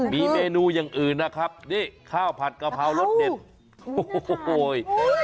มีเมนูอย่างอื่นนะครับนี่ข้าวผัดกะเพรารสเด็ดโอ้โห